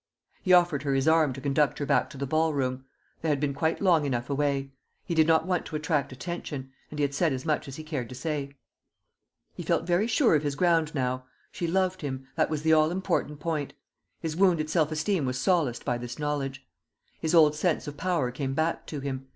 He offered her his arm to conduct her back to the ball room; they had been quite long enough away. He did not want to attract attention; and he had said as much as he cared to say. He felt very sure of his ground now. She loved him that was the all important point. His wounded self esteem was solaced by this knowledge. His old sense of power came back to him.